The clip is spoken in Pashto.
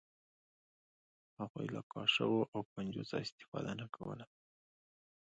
هغوی له کاچوغو او پنجو څخه استفاده نه کوله.